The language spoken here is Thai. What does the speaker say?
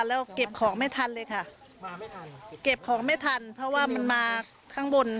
แล้วเก็บของไม่ทันเลยค่ะมาไม่ทันเก็บของไม่ทันเพราะว่ามันมาข้างบน